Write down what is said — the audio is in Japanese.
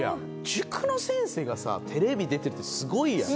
塾の先生がテレビに出てるってすごいやん。